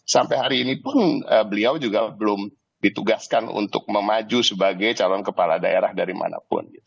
sampai hari ini pun beliau juga belum ditugaskan untuk memaju sebagai calon kepala daerah dari manapun